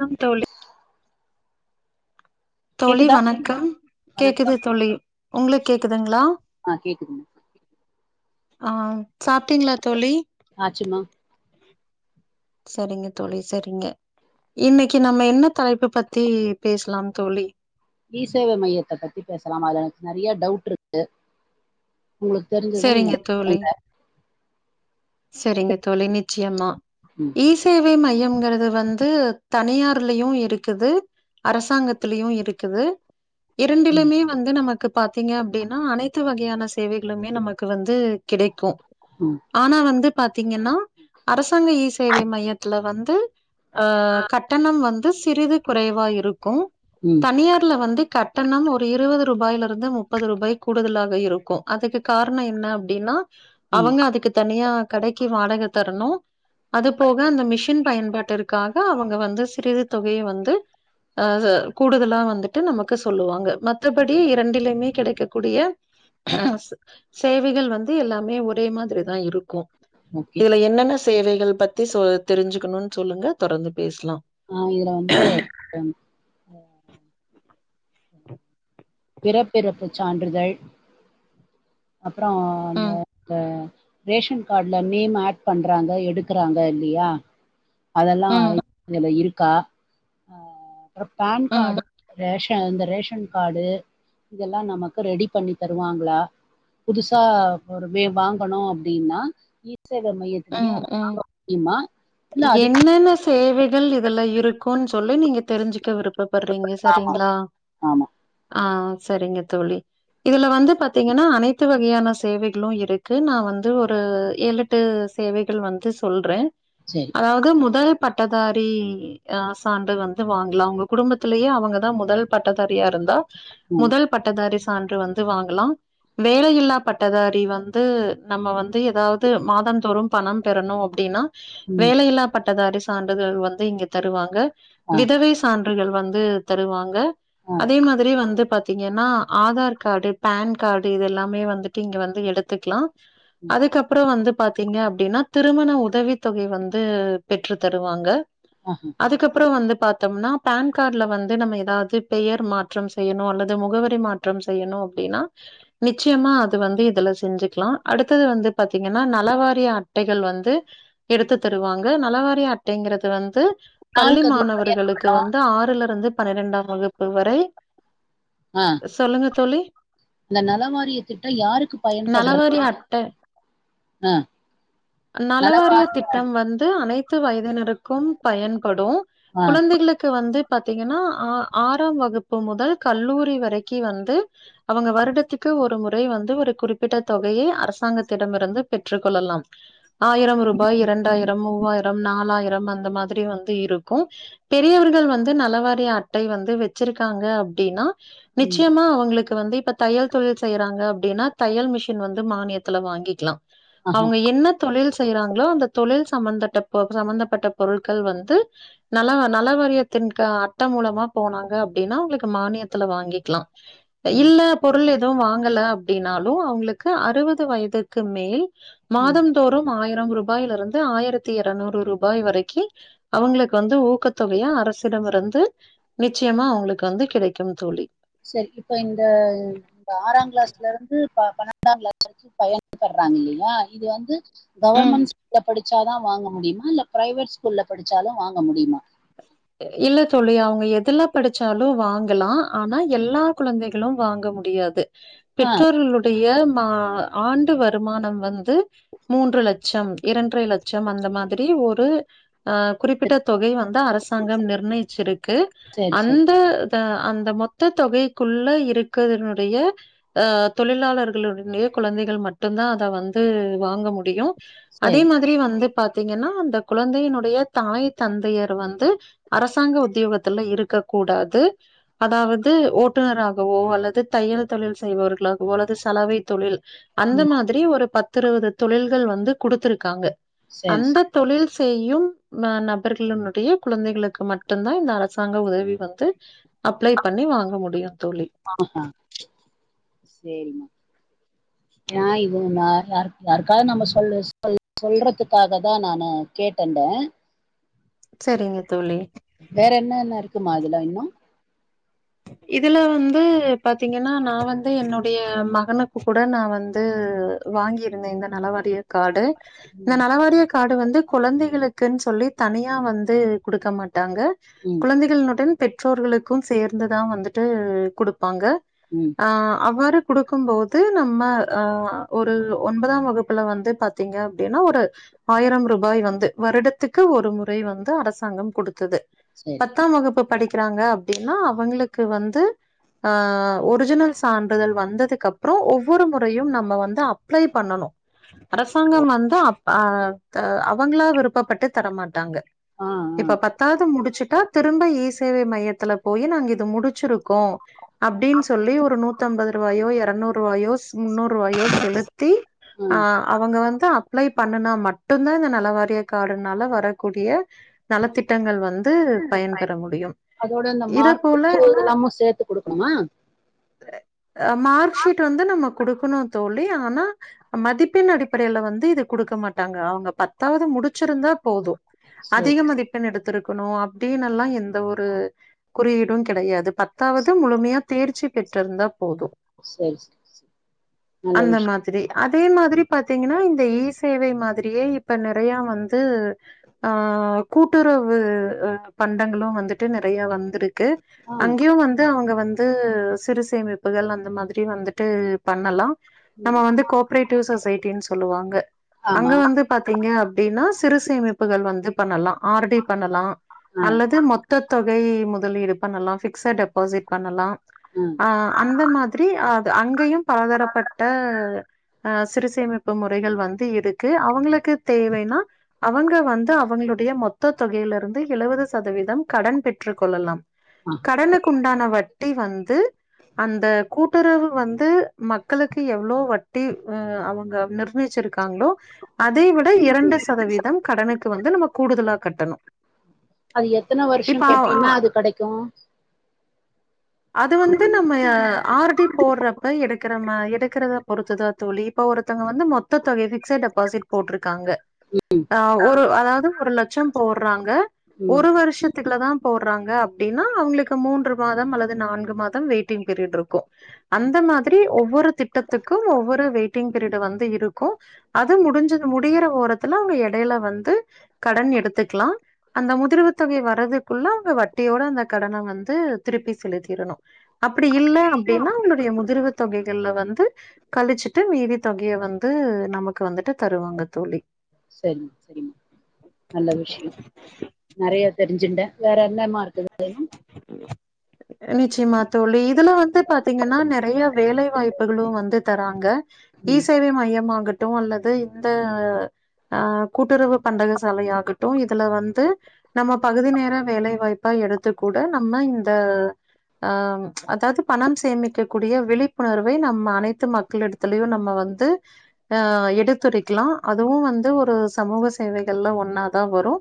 Come தோழி தோழி கேக்குதா வணக்கம் கேக்குது வணக்கம் தோழி உங்களுக்கு கேக்குதுங்களா ஆ கேக்குதுங்க ஆ சாப்ட்டீங்களா தோழி ஆச்சுமா சரிங்க தோழி சரிங்க இன்னைக்கு நம்ம என்ன தலைப்பு பத்தி பேசலாம் தோழி இசேவ மையத்த பத்தி பேசலாமா அதுல நறைய டவுட் இருக்கு உங்களுக்கு தெரிஞ்சத நீங்க சரிங்க [inaudible] தோழி ங்க சரிங்க தோழி நிச்சியம்மா ம் இசேவை மையங்கிறது வந்து தனியார்லயு இருக்குது அரசாங்கத்திலயு இருக்குது ம் இரண்டிலுமே வந்து நமக்கு பாத்தீங்க அப்டின்னா அனைத்து வகையான சேவைகளுமே நமக்கு வந்து கெடைக்கு ம் ஆனா வந்து பாத்தீங்கன்னா அரசாங்க இசேவை மையத்துல வந்து ஆ கட்டணம் வந்து சிறிது குறைவா இருக்கு ம் தனியார்ல வந்து கட்டணம் ஒரு இருபது ரூபாயிலிருந்து முப்பது ரூபாய் கூடுதலாக இருக்கு அதுக்கு காரண என்ன அப்டின்னா ம் அவங்க அதுக்கு தனியா கடைக்கு வாடக தரணு அது போக அந்த மிஷின் பயன்பாட்டிற்காக அவங்க வந்து சிறிது தொகைய வந்து அ கூடுதலா வந்துட்டு நமக்கு சொல்லுவாங்க மத்தபடி இரண்டிலியுமே கெடைக்கக்கூடிய அ சு சேவைகள் வந்து எல்லாமே ஒரே மாதிரி தா இருக்கு ஓகே இதுல என்னென்ன சேவைகள் பத்தி சொ தெரிஞ்சுக்குணு சொல்லுங்க தொடர்ந்து பேச்லா ஆ இதுல வந்து ம் பிறப்பு இறப்பு சான்றிதழ் அப்புறோ அந்த ம் அ ரேஷன் காட்ல நேம் ஆட் பண்றாங்க எடுக்குறாங்க இல்லியா அதெல்லா ம் இதுல இருக்கா அ அப்புறோ பேன் ம், காடு ரேஷன் இந்த ரேஷன் காடு இதெல்லா நமக்கு ரெடி பண்ணி தருவாங்ளா புதுசா ஒரு வே வாங்கணு அப்டீனா இ சேவ மைய ம் ம் யிமா என்னென்ன சேவைகள் இதுல இருக்குன் சொல்லி நீங்க தெரிஞ்சுக்க விருப் பப் பறீங்க ஆமா சரிங்ளா ஆமா ஆ சரிங்க தோழி இதுல வந்து பாத்தீங்கன்னா அனைத்து வகையான சேவைகளு இருக்கு நா வந்து ஒரு ஏழெ ட்டு சேவைகள் வந்து சொல்றே செரி அதாவ்து முதல் பட்டதாரி அ சான்று வந்து வாங்கலா உங்க குடும்பத்திலியே அவங் கதா முதல் பட்டதாரியா இருந்தா ம் முதல் பட்டதாரி சான்று வந்து வாங்கலா வேலையில்லா பட்டதாரி வந்து நம்ம வந்து எதாவ்து மாதந்தோறு பணம் பெறணு அப்டின்னா ம் வேலையில்லா பட்டதாரி சான்றிதழ் வந்து இங்க தருவாங்க ஆ விதவை சான் றிதழ் வந்து தருவாங்க ஆ அதே மாதிரி வந்து பாத் தீங்கன்னா ஆதார் காடு பேன் காடு இதெல்லாமே வந்துட்டு இங்க வந்து எடுத்துக்லா ம் அதுக்கப்புற வந்து பாத்தீங்க அப்டீனா திருமண உதவி தொகை வந்து பெற்றுத் தருவாங்க அ ஹ அதுக்கப்புறௌ வந்து பாத்தோம்னா பேன் காட்ல வந்து நம்ம எதாவ்து பெயர் மாற்ற செய்யணு அல்லது முகவரி மா ற்றம் செய்யணு அப்டினா நிச்சயமா அது வந்து இதுல செஞ்சிக்லா அடுத்தது வந்து பாத்தீங்கன்னா நலவாரிய அட்டைகள் வந்து எடுத்து தருவாங்க நலவாரிய அட்டைங்கிறது வந்து பள்ளி யாருக்கு அது பயன்படு மாணவர்களுக்கு வந்து ஆறுலருந்து பனிரெண்டாம் வகுப்பு வரை ஆ சொல்லுங்க தோழி அந்த நலவாரிய திட்டோ யாருக்கு பயன்பட்றது நலவாரிய அட்ட நலவாரிய திட்டம் வந்து அனைத்து வயதினருக்கும் பயன்படு ஆ குழந்தைகளுக்கு வந்து பாத்தீங்கன்னா ஆ ஆறாம் வகுப்பு முதல் கல்லூரி வரைக்கி வந்து அவங்க வருடத்துக்கு ஒரு முறை வந்து ஒரு குறிப்பிட்ட தொகையை அரசாங்கத்திடமிருந்து பெற்றுக் கொள்ளலாம் ஆயிரம் ரூபாய் இரண்டாயிரம் மூவாயிரம் நாலாயிரம் அந்த மாதிரி வந் து இருக்கு பெரியவர்கள் வந்து நலவாரிய அட்டை வந்து வெச்சிருக்காங்க அப்டீனா ம் நிச்சயமா அவங்களுக்கு வந்து இப்ப தையல் தொழில் செய்யிறாங்க அப்டினா தையல் மிஷின் வந்து மானியத்தில வாங்கிக்லா ஆஹ அவுங்க என்ன தொழில் செய்யிறாங்ளோ அந்த தொழில் சம்பந்தட்ட ப சம்பந்தப்பட்ட பொருட்கள் வந்து நல நல வாரியத்தின் க அட்ட மூலமா போனாங்க அப்டின்னா அவுங்களுக்கு மானியத்துல வாங்கிக்லா சரி இல்ல பொருள் எதுவு வாங்கல அப்டினாலு அவுங்களுக்கு அறுவது வயதுக்கு மேல் ம் மாதம்தோறும் ஆயிரம் ரூபாய்லருந்து ஆயிரத்தி எரநூறு ரூபாய் வரைக்கி அவங்களுக் வந்து ஊக்கத்தொகையா அரசிடமிருந்து நிச்சயமா அவுங்களுக் வந்து கிடைக்கும் தோழி செரி இப்ப இந்த இந்த ஆறாங் கிளாஸ்ல இருந்து பன்னெண்டா கிளாஸ் வரைக்கு பயன்பர்றாங்க இல்லயா இது வந்து ம் கவர்மண்ட் ஸ்கூல்ல படிச்சாதா வாங்க முடியுமா இல்ல பிரைவேட் ஸ்கூல்ல படிச்சாலு வாங்க முடியுமா இல்ல தோழி அவுங்க எதுல்ல படிச்சாலு வாங்கலா ஆனா எல்லா கொழந்தைகளு வாங்க முடியாது ஆ பெற்றோர்களுடை ய ஆண்டு வருமானம் வந்து மூன்று லட்சம் இரண்டரை லட்சம் அந்த மாதிரி ஒரு அ குறிப்பிட்ட தொகை வந்து அரசாங்கம் நிர்ணயிச்சிருக்கு சரி சரி அன்று அந்த மொத்த தொகைக்குள்ள இருக்கறதனுடைய அ தொழிலாளர்களுடைய கொழந்தைகள் மட்டு தா அத வந்து வாங்க முடியு அதே சரி மாதிரி வந்து பாத்தீங்கன்னா அந்த கொழந்தையினுடைய தாய் தந்தையர் வந்து அரசாங்க உத்தியோகத்துல இருக்க கூடாது அதாவது ஓட்டுநராகவோ அல்லது தையல் தொழில் செய்பவர்களாகவோ அல்லது சலவை தொழில் அந்த ம் மாதிரி ஒரு பத்து இருவது தொழில்கள் வந்து குடுத்துருக்காங்க சரி அந்த சரி தொழில் செய்யும் ம நபர்களுன் உடைய கொழந்தைகளுக்கு மட்டு தா இந்த அரசாங்க உதவி வந்து அப்ளை பண்ணி வாங்க முடியு தோழி சேரிமா யா இது நா யாருக் யாருக்காவது நம்ம சொல்ல சொ சொல்றதுக்காக தா நானு கேட்டன்ட செரிங்க தோழி வேற என்னென்ன இருக்குமா அதுல இன்னு இதுல வந்து பாத்தீங்கன்னா நா வந்து என்னுடைய மகனுக் கு கூட நா வந்து வாங்கியிருந்தே இந்த நலவாரிய கார்டு இந்த ம், நலவாரிய கார்டு வந்து கொழந்தைகளுக்குன் சொல்லி தனியா வந்து குடுக்க மாட்டாங்க ம் கொழந்தைகளுடன் பெற்றோர்களுக்கு சேர்ந்து தா வந்துட்டு குடுப்பாங்க ம் ஆ அவ்வாறு குடுக்கும் போது நம்ம ஆ ஒரு ஒன்பதாம் வகுப்புல வந்து பா த்தீங்க அப்டின்னா ஒரு ஆயிரம் ரூபாய் வந்து வருடத்துக்கு ஒரு முறை வந்து அரசாங்கம் குடுத்தது சரி பத்தாம் வகுப்பு படிக்கிறாங்க அப்டின்னா அவங்களுக்கு வந்து ஆ ஒரிஜினல் சான்றிதழ் வந்ததுக்கப்புறோ ஒவ்வொரு முறையு நம்ம வந்து அப்ளை பண்ணணு அரசாங்கம் வந்து அ அவங்ளா விருப்பப்பட்டு தரமாட்டாங்க ஆ ஆ இப்ப பத்தாவது முடிச்சுட்டா திரும்ப இ சேவை மையத்துல போய் நாங்க இது முடிச்சிருக்கோ அப்டின் சொல்லி ஒரு நூத்தம்பதுரூவாயோ இரநூறுவாயோ முன்னூறுவாயோ செலுத்தி ஆ அவங்க வந்து அப்ளை பண்ணுனா மட்டுதா இந்த நலவாரிய கார்டுனால வரக்கூடிய நலத்திட்டங்கள் வந்து பயன்பெற முடியு இத முடிச்சதெல்லாமு சேர்த்து குடுக்கணுமா ஆ மார்க் ஷீட் வந்து நம்ம குடுக்கணு தோழி ஆனா மதிப்பெண் அடிப்படையில வந்து இது குடுக்க மாட்டாங்க அவங்க பத்தாவது முடிச்சிருந்தா போது சரி அதிக மதிப்பெண் எடுத்திருக்கணு அப்டின்னெல்லா எந்த ஒரு குறியீ ட்டு கெடையாது பத்தாவது முழுமையா தேர்ச்சி பெட்ருந்தா போது சரி சரி, சரி நல்ல அந்த மா விஷயம் திரி அதே மாதிரி பாத்தீங்கன்னா இந்த இ சேவை மாதிரியே இப்ப நெறைய வந்து அ கூட்டுறவு பண்டங்களு வந்துட்டு நெறைய வந்துருக் க்கு ஆ அங்கேயு வந்து அவுங்க வந்து சிறு சேமிப்புகள் அந்த மாதிரி வந்துட்டு பண்ணலா நம்ம ம், வந்து கோப்ரைட்டிவ் சொசைட்டின்னு சொல்லுவாங்க அங்க ஆமா வந்து பாத்தீங்க அப்டின்னா சிறுசேமிப்புகள் வந்து பண்ணலா ஆர் டி பண்ணலா ஆ அல்லது மொ த்த தொகை முதலீடு பண்ணலா பிக்ஸட் டெபாசிட் பண்ணலா ம் ஆ அந்த மாதிரி அது அங்கயு பலதரப்பட்ட அ சிறுசேமிப்பு முறைகள் வந்து இருக்கு அவுங்களுக்கு தேவைனா அவங்க வந்து அவங்களுடைய மொத்த தொகையிலிருந்து எழுவது சதவீதம் கடன் பெற்றுக் கொள்ளலா ஆஹா. கடனுக்குண்டான வட்டி வந்து அந்த கூட்டுறவு வந்து மக்களுக்கு எவ்ளோ வட்டி ம் அவுங்க நிர்ணயிச்சிருக்காங்ளோ அதை விட இரண்டு சதவீதம் கடனுக்கு வந்து நம்ம கூடுதலா கட்டணு அது எத்தன வருஷ இப்ப அ கட்டீனா அது கடைக்கு அது வந்து நம்மய ஆர் டி போட்றப்ப எடுக்கிறம எடுக்கிறத பொறுத்துதா தோழி இப்ப ஒருத்தவங்க வந்து மொத்த தொகை பிக்ஸட் டெபாசிட் போட்ருக்காங்க அ ஒரு அதாவ்து ஒரு லட்சோ போட்றாங்க ம் ஒரு வர்ஷத்துக்குல தா போட்றாங்க அப்டின்னா அவுங்குளுக்கு மூன்று மாதம் அல்லது நான்கு மாதம் வெயிட்டிங் பீரியட் இருக்கோ அந்த மாதிரி ஒவ்வொரு திட்டத்துக்கு ஒவ்வொரு வெயிட்டிங் பீரியடு வந்து இருக்கு அது முடிஞ்சது முடியிற ஓரத்துல அவுங்க எடையில வந்து கடன் எடுத்துக்கலா அந்த முதிர்வு தொகை வர்றதுக்குள்ள அவு ங்க வட்டியோட அந்த கடன வந்து திருப்பி செலுத்திடணு அப்டி இல்ல அப்டின்னா அவுங்களுடைய முதிர்வு தொகைகள்ல வந்து கழிச்சுட்டு மீதி தொகைய வந்து நமக்கு வந்துட்டு தருவாங்க தோழி செரி செரி நல்ல விஷ்ய நெறைய தெரிஞ்சின்ட்டே வேற என்னமா இருக் கு வேணு நிச்சயமா தோழி இதுல வந்து பாத்தீங்கன்னா நெறைய வேலை வாய்ப்புகளு வந்து தராங்க இ ம் சேவை மையமாகட்டு அல்லது இந்த அ கூட்டுறவு பண்டக சாலை ஆகட்டு இதுல வந்து நம்ம பகுதி நேர வேலைவாய் ப்பா எடுத்து கூட நம்ம இந்த அ அதாவ்து பணம் சேமிக்க கூடிய விழிப்புணர்வை நம்ம அனைத்து மக்களிட த்திலையு நம்ம வந்து அ எடுத்துரைக்கலா அதுவு வந்து ஒரு சமூக சேவைகள்ல ஒன்னா தா வரு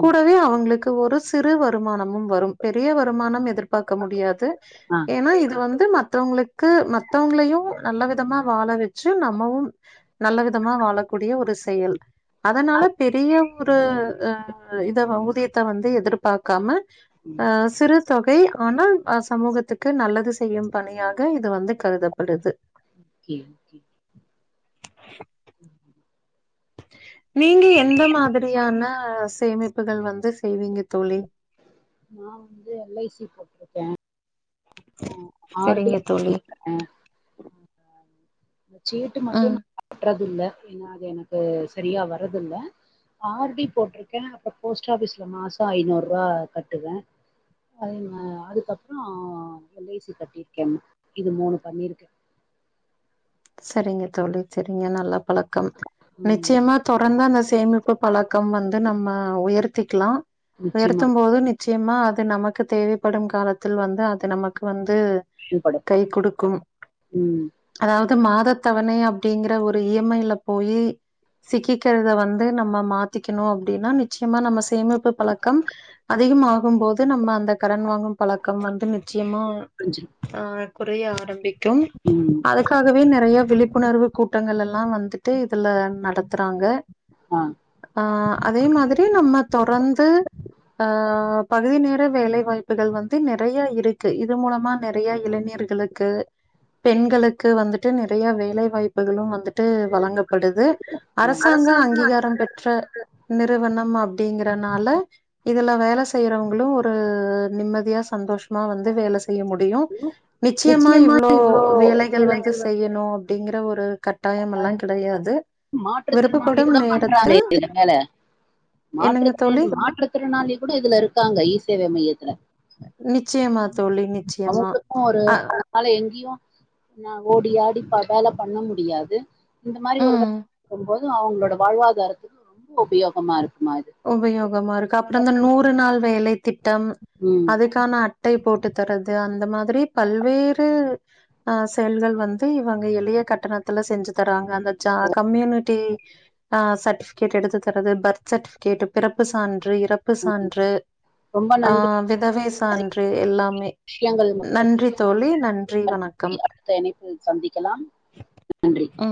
ம் கூடவே அவுங்களுக்கு ஒரு சிறு வருமானமு வரு பெரிய வருமான எதிர்பாக்க முடியாது ஆ ஏன்னா இது வந்து மத்தவங்களுக் கு மத்தவங்களையு நல்ல விதமா வாழ வச்சு நம்மவு நல்ல விதமா வாழக்கூடிய ஒரு செயல் அதனால பெரிய ஒரு அ இத ஊதியத்த வந்து எதிருபக்காம ம் அ சிறு தொகை ஆனால் அ சமூகத்துக்கு நல்லது செய்யும் பணியாக இது வந்து கருதப்படுது ஓகே ஓகே நீங்க எந்த மாதிரியான சேமிப்புகள் வந்து செய்வீங்க தோழி நா வந்து எல் ஐ சி போட் ஆர் டி சரிங்க ம் தோழி. ஏ இந்த சீட்டு மட்டு ம். நா கட்டுறது இல்ல ஏன்னா அது எனக்கு செரியா வர்றதில்ல ஆர் டி போட்டிருக்கே அப்ரோ போஸ்ட் ஆபிஸ்ல மாசோ ஐநூறுபா கட்டுவே அதே மா அதுக்கப்ரோ எல் ஐ சி கட்டியிருக்கே இது மூணு பண்ணியிருக்கே சரிங்க தோழி சரிங்க நல்ல பழக்கம் ம் நிச்சயமா தொரந்து அந்த சேமிப்பு பழக்கம் வந்து நம்ம உயர்த்திக்கலா நிச்சயமா உயர்த்தும் போது நிச்சயமா அது நமக்கு தேவைப்படும் காலத்தில் வந்து அது நமக்கு வந்து பயன்படும் கை கொடுக்கும் ம் அதாவ்து த்து மாதத்தவணை அப்டிங்கற ஒரு இ எம் ஐ ல போயி சிக்கிக்கிறத வந்து நம்ம மாத்திக்குணு அப்டின்னா நிச்சயமா நம்ம சேமிப்பு பழக்கம் அதிகம் ஆகும் போது நம்ம அந்த கடன் வாங்கும் பழக்கம் வந்து நிச்சயமா புரிஞ்சிரும் ஆ குறைய ஆரம்பிக்கும் ம் இதுக்காகவே நெறைய விழிப்புணர்வு கூட்டங்கள் எல்லா வந்துட்டு இதுல நடத்துறாங்க ஆ ஆ அதே மாதிரி நம்ம தொரந்து ஆ பகுதி நேர வேலை வாய்ப்புகள் வந்து நெறைய இருக்கு இது மூலமா நெறையா இளைஞர்களுக்கு க்கு பெண்களுக்கு வந்துட்டு நெறைய வேலை வாய்ப்புகளும் வந்துட்டு ட்டு வழங்கப்படுது ஆ அரசாங்க அங்கீகாரம் பெ அதிகாரியும் ற்ற நிறுவனம் அப்டிங்கறனால இதுல வேல செ செய்யறவங்களு ஒரு நிம்மதியா சந்தோஷமா வந்து வேல செய் செய்ய முடியு நிச்சயமா இவ்ளோ வேலைகள் வந்து செய்யணு அப்டிங்கிற ஒரு கட் கட்டாயம் மெல்லா கிடையாது வந்து மாற்றுத்திறனாளி விருப்பப்படும் கூட பண்றாங்க நேரத்தில் இதுல மேல என்னங்க தோழி மாற்றுத்திறன் மாற்றுத்திறனாளி கூட இதுல இருக்காங்க ஈ சேவை மையத்துல நிச்சயமா தோழி நிச்சயமா அ ஆல எங்கியு ந ஓடி ஆடி பா வேல பண்ண முடியாது இந்த மாரி ஒரு [inaudible] ம் இருக்கும்போது அவங்களோட வாழ்வாதாரத்துக்கு ரொம்ப உபயோகமா இருக்குமா இது உபயோகமா இருக்கு அப்ரோ இந்த நூறு நாள் வேலை திட்டம் ம் அதுக்கான அட்டை போட்டு தரது அந்த மாதிரி பல்வேறு ஆ செயல்கள் வந்து இவங்க எளிய கட்டணத்துல செஞ்சு தராங்க கம்யூனிட்டி அ சர்டிபிகேட் எடுத்து தரது பர்த் சர்டி கேட்டு பிறப்பு சான்று இறப்பு சான்று ரொம்ப ஆ நன்றி விதவை சான்று எல்லாமே விஷயங்கள் உங்ககிட்ட நன்றி தோழி நன்றி பகிர்ந்ததுக்கு. வணக்கம் அடுத்த இணைப்பில் சந்திக்கலாம் நன்றி ம்